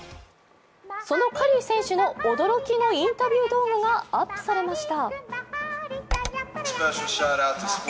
そのカリー選手の驚きのインタビュー動画がアップされました。